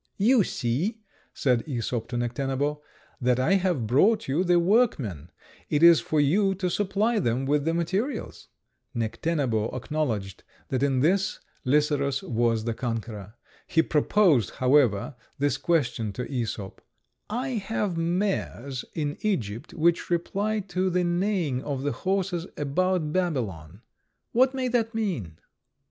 "You see," said Æsop to Necténabo, "that I have brought you the workmen; it is for you to supply them with the materials." Necténabo acknowledged that in this Lycerus was the conqueror. He proposed, however, this question to Æsop: "I have mares in Egypt which reply to the neighings of the horses about Babylon. What may that mean?"